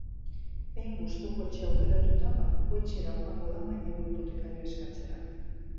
Behin gustoko etxea aukeratuta, bankuetxera joango da mailegu hipotekarioa eskatzera.